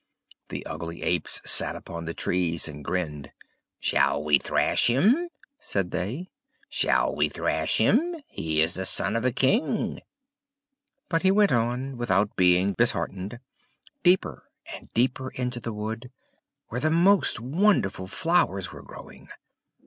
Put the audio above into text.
The ugly apes sat upon the trees, and grinned. "Shall we thrash him?" said they. "Shall we thrash him? He is the son of a king!" But on he went, without being disheartened, deeper and deeper into the wood, where the most wonderful flowers were growing.